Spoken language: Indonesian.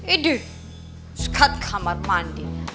ideh sikat kamar mandi